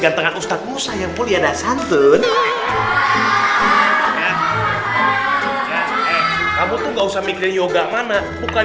ganteng ustadz musa yang pulih ada santun kamu tuh nggak usah mikirin yoga mana bukan